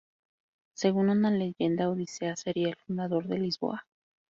Según una leyenda, Odiseo seria el fundador de Lisboa.